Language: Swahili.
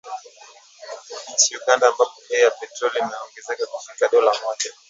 Nchini Uganda, ambapo bei ya petroli imeongezeka kufikia dola moja